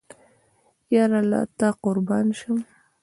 یاره له تا قربان شم